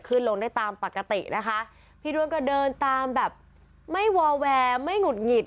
ขึ้นลงได้ตามปกตินะคะพี่ด้วนก็เดินตามแบบไม่วอแวร์ไม่หุดหงิด